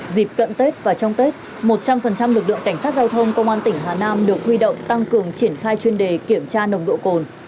dịp cận tết và trong tết một trăm linh lực lượng cảnh sát giao thông công an tỉnh hà nam được huy động tăng cường triển khai chuyên đề kiểm tra nồng độ cồn